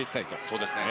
そうですね。